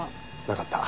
なかった。